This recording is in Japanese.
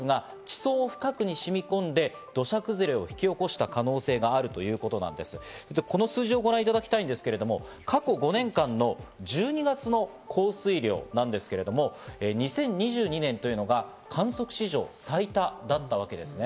今回の原因についてなんですが、こちら、この数字をご覧いただきたいんですけど、過去５年間の１２月の降水量なんですけれども、２０２２年というのが観測史上最多だったわけですね。